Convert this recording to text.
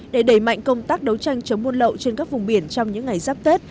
để đẩy mạnh công tác đấu tranh chống buôn lậu trên các vùng biển trong những ngày giáp tết